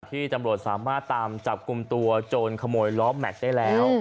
ตำรวจสามารถตามจับกลุ่มตัวโจรขโมยล้อแม็กซ์ได้แล้ว